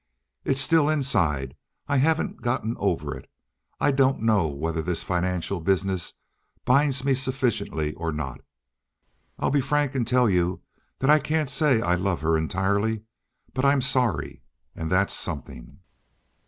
"It's still inside. I haven't gotten over it. I don't know whether this financial business binds me sufficiently or not. I'll be frank and tell you that I can't say I love her entirely; but I'm sorry, and that's something."